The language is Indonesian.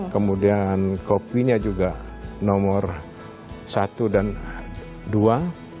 kemudian kopinya juga nomor satu dan dua